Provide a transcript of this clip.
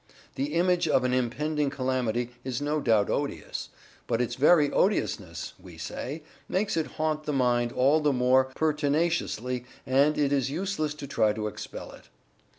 The image of an impending calamity is no doubt odious, but its very odiousness (we say) makes it haunt the mind all the more pertinaciously and it is useless to try to expel it.